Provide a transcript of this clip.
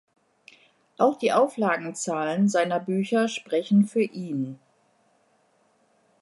Auch die Auflagenzahlen seiner Bücher sprechen für ihn.